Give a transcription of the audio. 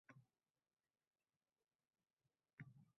Senlar ishlagan maktabda ishlamayman.